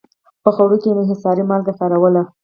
په خوړو کې انحصاري مالګه کارول.